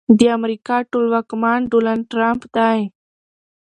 د امريکا ټولواکمن ډونالډ ټرمپ دی.